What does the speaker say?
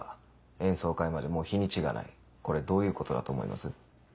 演奏会までもう日にちがないこれどういうことだと思います？